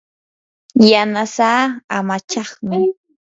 yanasaa amachaqmi.